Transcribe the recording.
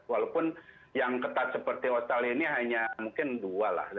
walaupun yang ketat seperti australia ini hanya mungkin dua lah